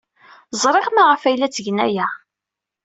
Ẓriɣ maɣef ay la ttgen aya.